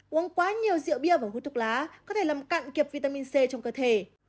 uống quá nhiều rượu bia và hút thuốc lá có thể làm cạn kiệt vitamin c trong cơ thể